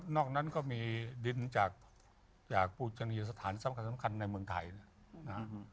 นอกนั้นก็มีดินจากปูจนียสถานสำคัญในเมืองไทยนะครับ